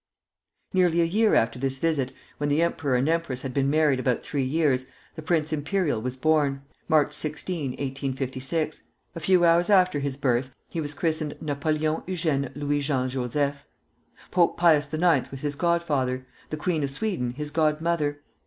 Nearly a year after this visit, when the emperor and empress had been married about three years, the Prince Imperial was born, March 16, 1856. A few hours after his birth he was christened Napoleon Eugène Louis Jean Joseph. Pope Pius IX. was his godfather, the Queen of Sweden his godmother.